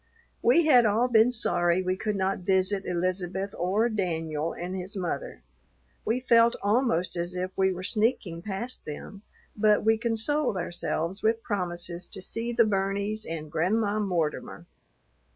We had all been sorry we could not visit Elizabeth or "Danyul" and his mother. We felt almost as if we were sneaking past them, but we consoled ourselves with promises to see the Burneys and Grandma Mortimer.